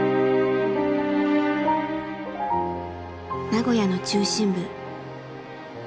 名古屋の中心部。